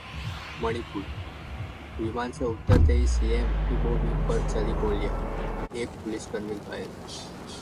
मणिपुर: विमान से उतरते ही सीएम इबोबी पर चली गोलियां, एक पुलिसकर्मी घायल